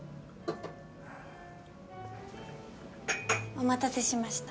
お待たせしました。